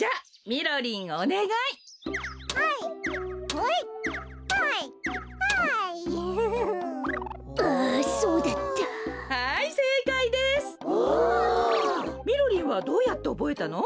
みろりんはどうやっておぼえたの？